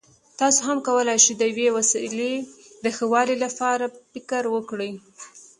تاسو هم کولای شئ د یوې وسیلې د ښه والي لپاره فکر وکړئ.